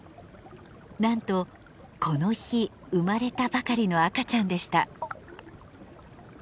なんとこの日生まれたばかりの赤ちゃんでした。